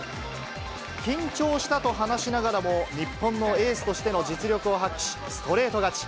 緊張したと話しながらも、日本のエースとしての実力を発揮し、ストレート勝ち。